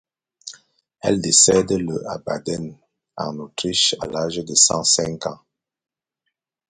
Elle décède le à Baden, en Autriche, à l'âge de cent cinq ans.